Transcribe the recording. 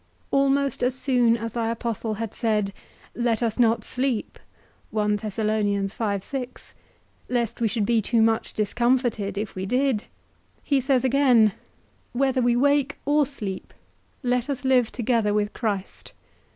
Almost as soon as thy apostle had said, Let us not sleep, lest we should be too much discomforted if we did, he says again, Whether we wake or sleep, let us live together with Christ.